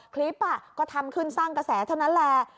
คลิปก็ทำขึ้นสร้างกระแสเท่านั้นแหละ